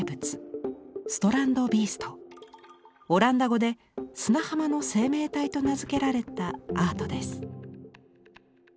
オランダ語で「砂浜の生命体」と名付けられたアートです。